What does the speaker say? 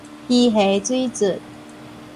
魚蝦水卒